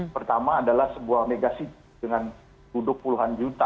pertama adalah sebuah negasi dengan duduk puluhan juta